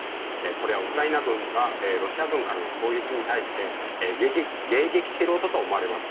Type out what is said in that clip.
これはウクライナ軍がロシア軍からの攻撃に対して迎撃している音と思われます。